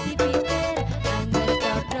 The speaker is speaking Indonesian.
kepala karya dan karya karya